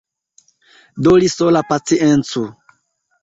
Do li sola paciencu!